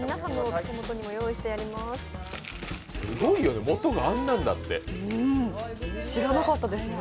すごいよねもとがあんなんだって。